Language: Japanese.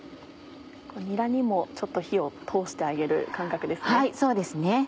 にらにもちょっと火を通してあげる感覚ですね。